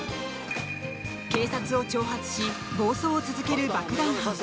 警察を挑発し暴走を続ける爆弾犯。